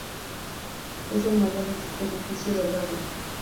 Es el mayor edificio del barrio.